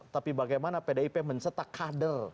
tapi bagaimana pdip mencetak kader